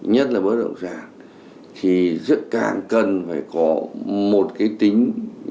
nhất là bất động sản thì dựng càng cần phải có một cái tính